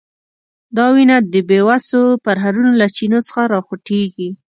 دا وینه د بیوسو پرهرونو له چینو څخه راخوټېږي.